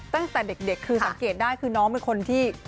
ตั้งแต่เด็กคือสังเกตได้คือน้องเป็นคนที่